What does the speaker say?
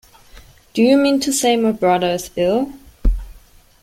Do you mean to say my brother is ill?